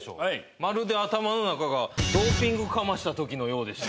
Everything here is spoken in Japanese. まるで頭の中がドーピングかました時のようでした。